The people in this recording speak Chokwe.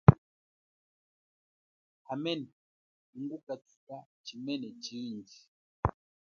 Hamene mungukathuka chimene chindji.